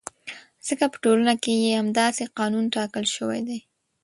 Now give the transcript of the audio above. ځکه په ټولنه کې یې همداسې قانون ټاکل شوی دی.